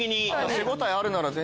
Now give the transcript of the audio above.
手応えあるなら全然。